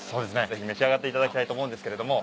ぜひ召し上がっていただきたいと思うんですけれども。